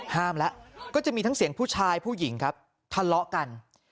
ห้ามแล้วก็จะมีทั้งเสียงผู้ชายผู้หญิงครับทะเลาะกัน